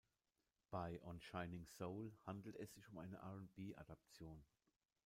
Bei "On Shining Soul" handelt es sich um eine R&B-Adaption.